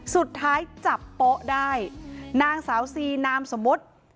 สุดท้ายจับโป๊ะได้นางสาวซีนามสมมุติ